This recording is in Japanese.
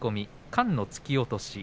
菅野突き落とし